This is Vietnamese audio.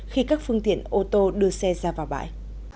khi các phương tiện ô tô đưa xe ra vào bãi